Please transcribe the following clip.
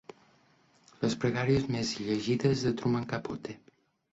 Les pregàries més llegides de Truman Capote.